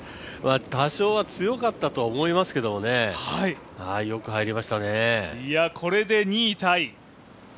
多少は強かったと思いますけどね、これで２位タイ。